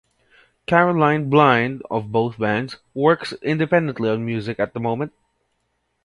Caroline Blind of both bands, works independently on music at the moment.